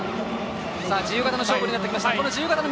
自由形の勝負になってきました。